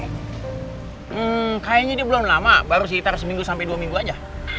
hmm kayaknya dia belum lama baru sekitar seminggu sampai dua minggu aja